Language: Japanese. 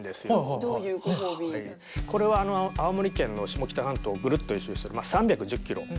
これは青森県の下北半島をグルッと１周するまあ３１０ｋｍ。